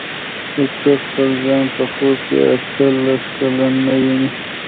هېڅوک خپل ځان په خوب کې اته لس کلن نه ویني.